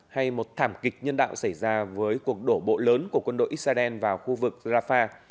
hay một thảm kịch nhân đạo xảy ra với cuộc đổ bộ lớn của quân đội israel vào khu vực rafah